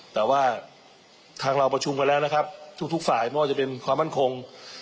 แต่ว่าทางเราประชุมกันแล้วนะครับทุกฝ่ายไม่ว่าจะเป็นความมั่นคง